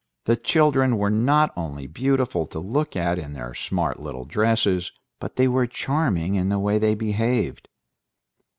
The children were not only beautiful to look at in their smart little dresses, but they were charming in the way they behaved.